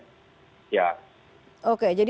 jadi ada beberapa kebetulan